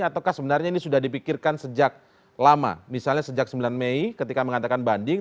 ataukah sebenarnya ini sudah dipikirkan sejak lama misalnya sejak sembilan mei ketika mengatakan banding